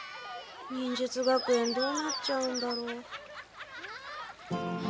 忍術学園どうなっちゃうんだろう。